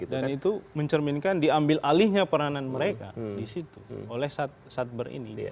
dan itu mencerminkan diambil alihnya peranan mereka disitu oleh satber ini